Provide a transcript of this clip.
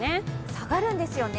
下がるんですよね。